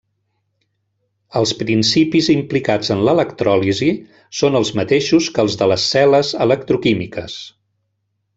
Els principis implicats en l'electròlisi són els mateixos que els de les cel·les electroquímiques.